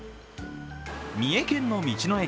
三重県の道の駅